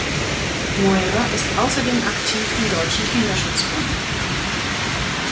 Meurer ist außerdem aktiv im Deutschen Kinderschutzbund.